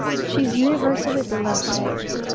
She is universally beloved here.